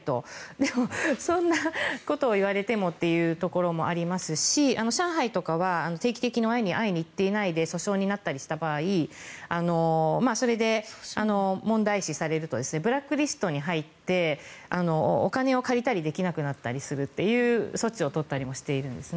でもそんなことをいわれてもというところもありますし上海とかは定期的に会いに行っていないで訴訟になったりした場合それで問題視されるとブラックリストに入ってお金を借りたりできなくなったりするという措置を取ったりもしているんです。